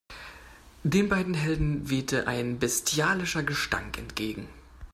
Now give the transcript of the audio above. Den beiden Helden wehte ein bestialischer Gestank entgegen.